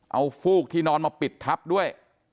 เอาฟูกที่นอนมาปิดทับด้วย